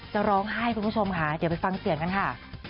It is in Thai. จะร้องไห้คุณผู้ชมค่ะเดี๋ยวไปฟังเสียงกันค่ะ